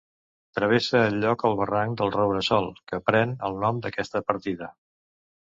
Travessa el lloc el barranc del Roure Sol, que pren el nom d'aquesta partida.